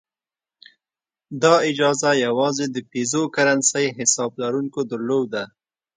دا اجازه یوازې د پیزو کرنسۍ حساب لرونکو درلوده.